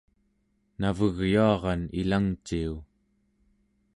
navegyuaran ilangciu!